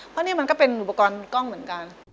เพราะนี่มันก็เป็นอุปกรณ์กล้องเหมือนกัน